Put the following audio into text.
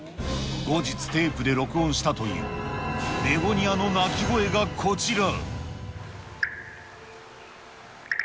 後日、テープで録音したというベゴニアの鳴き声がこちら。